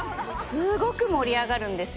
すごく盛り上がるんですよ。